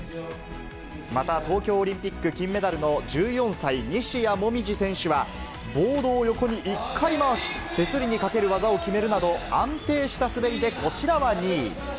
また東京オリンピック金メダルの１４歳、西矢椛選手は、ボードを横に１回回し、手すりにかける技を決めるなど、安定した滑りでこちらは２位。